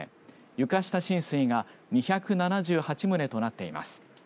床下浸水が２７８棟となっています。